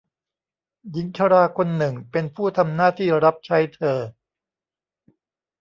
หญิงชราคนหนึ่งเป็นผู้ทำหน้าที่รับใช้เธอ